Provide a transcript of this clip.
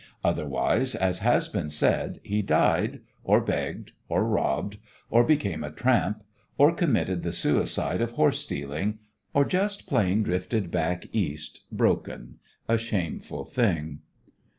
Otherwise, as has been said, he died, or begged, or robbed, or became a tramp, or committed the suicide of horse stealing, or just plain drifted back East broken a shameful thing.